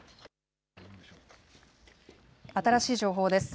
新しい情報です。